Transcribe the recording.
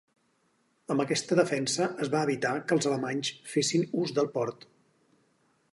Amb aquesta defensa es va evitar que els alemanys fessin ús del port.